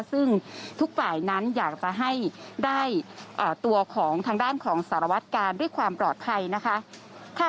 ซึ่งทุกฝ่ายนั้นอยากจะให้ได้ตัวของทางด้านของสารวัตกาลด้วยความปลอดภัยนะคะ